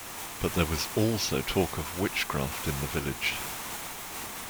But there was also talk of witchcraft in the village.